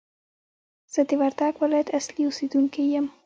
زه د وردګ ولایت اصلي اوسېدونکی یم!